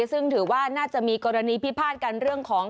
ซึ่งถือว่าน่าจะมีกรณีพิพาทกันเรื่องของ